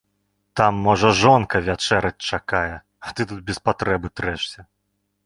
Там, можа, жонка вячэраць чакае, а ты тут без патрэбы трэшся.